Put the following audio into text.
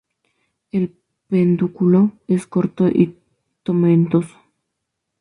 El pedúnculo es corto y tomentoso.